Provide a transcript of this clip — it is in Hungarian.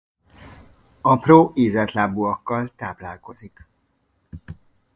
Apró ízeltlábúakkal táplálkozik.